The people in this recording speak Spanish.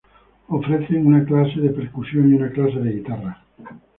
Ofrecen una clase de percusión y una clase de guitarra.